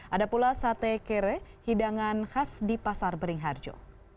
ada pula sate kere hidangan khas di pasar beringharjo